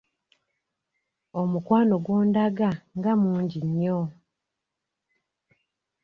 Omukwano gw'ondaga nga mungi nnyo.